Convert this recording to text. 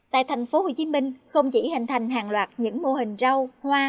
tại thành phố hồ chí minh không chỉ hành thành hàng loạt những mô hình rau hoa